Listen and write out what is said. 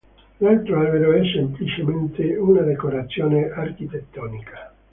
L'altro albero è semplicemente una decorazione architettonica.